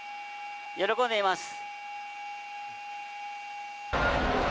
喜んでいます。